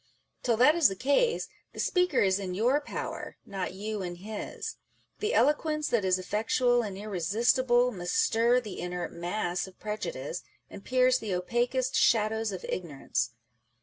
Till that is the case, the speaker is in your power, not you in his. The eloquence that is effectual and irresistible must stir the inert mass of prejudice, and pierce the opaquest shadows of ignorance.